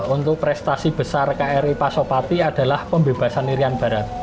untuk prestasi besar kri pasopati adalah pembebasan irian barat